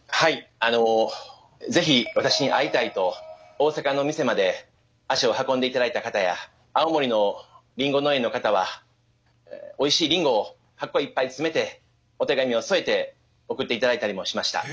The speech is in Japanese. あの是非私に会いたいと大阪の店まで足を運んで頂いた方や青森のりんご農園の方はおいしいりんごを箱いっぱい詰めてお手紙を添えて送って頂いたりもしました。